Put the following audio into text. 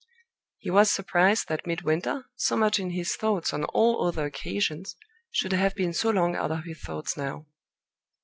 He was surprised that Midwinter, so much in his thoughts on all other occasions, should have been so long out of his thoughts now.